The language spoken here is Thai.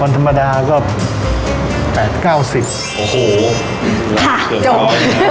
วันธรรมดาก็แบบเก้าสิบ